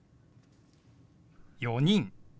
「４人」。